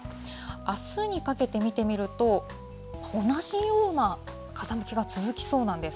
あすにかけて見てみると、同じような風向きが続きそうなんです。